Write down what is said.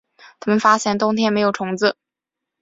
他们发现冬天没有虫子